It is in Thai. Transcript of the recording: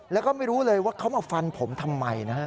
แล้วก็ไม่รู้เลยว่าเขามาฟันผมทำไมนะฮะ